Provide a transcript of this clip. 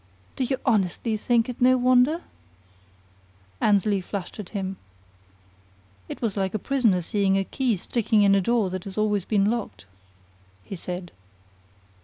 "Do you honestly think it no wonder?" Annesley flashed at him. "It was like a prisoner seeing a key sticking in a door that has always been locked," he said.